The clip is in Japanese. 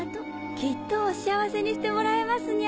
きっとお幸せにしてもらえますにゃ。